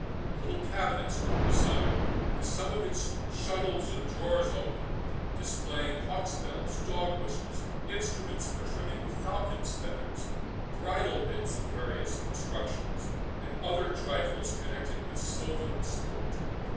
A little cabinet stood beside, with some of its shuttles and drawers open, displaying hawks bells, dog whistles, instruments for trimming falcons' feathers, bridle bits of various constructions, and other trifles connected with silvan sport.